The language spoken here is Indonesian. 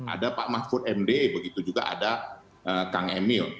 ada pak mahfud md begitu juga ada kang emil